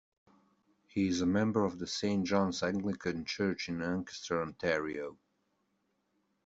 He is a member of the Saint John's Anglican church in Ancaster, Ontario.